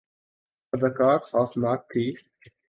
اداکاری خوفناک تھی